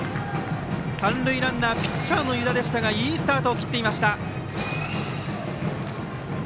三塁ランナーピッチャーの湯田でしたがいいスタートを切っていました。